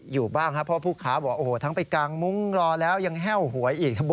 ทำลายสถิติไป๑๐วินาทีครับ